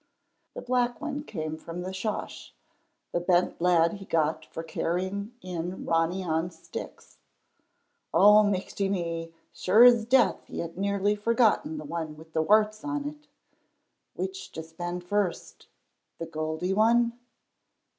The black one came from the 'Sosh, the bent lad he got for carrying in Ronny On's sticks. Oh michty me, sure as death he had nearly forgotten the one with the warts on it. Which to spend first? The goldy one?